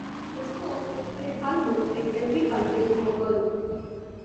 The sport is played almost in every country in the world.